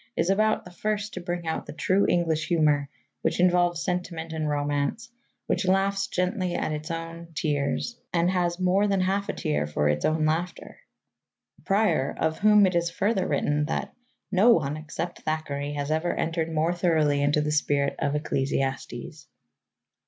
is about the first to bring out the true English humour which involves sentiment and romance, which laughs gently at its own, tears, and has more than half a tear for its own laughter" Prior, of whom it is further written that "no one, except Thackeray, has ever entered more thoroughly into the spirit of Ecclesiastes."